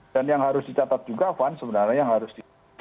dan yang harus dicatat juga van sebenarnya yang harus